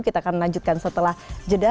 kita akan lanjutkan setelah jeda